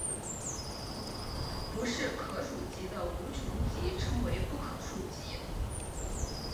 不是可数集的无穷集称为不可数集。